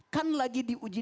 kan lagi diunggah